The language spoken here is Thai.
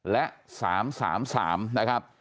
และ๓๓นะครับ